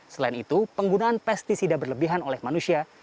selain itu penggunaan pesticida berlebihan oleh manusia